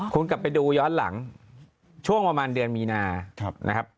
คุณกลับไปดูย้อนหลังช่วงประมาณเดือนมีนานะครับ